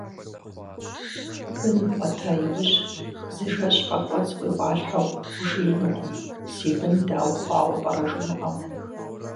Бын бгъуэта иужь, зы жэщ пӏэкӏуэцӏ уигъуалъхьэу ужеинукъым, си бын дау хъуауэ пӏэрэ жумыӏэу.